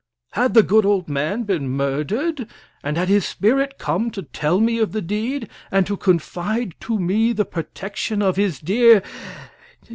Had the good old man been murdered? and had his spirit come to tell me of the deed, and to confide to me the protection of his dear